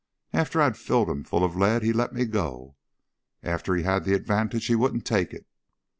After I'd filled him full of lead, he let me go. After he had the advantage he wouldn't take it."